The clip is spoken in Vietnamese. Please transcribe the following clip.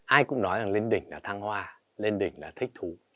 ai cũng nói rằng lên đỉnh là thăng hoa lên đỉnh là thích thú